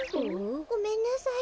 ごめんなさい。